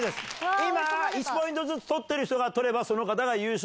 今１ポイントずつ取ってる人が取れば、その方が優勝。